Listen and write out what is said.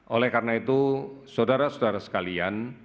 oleh karena itu saudara saudara sekalian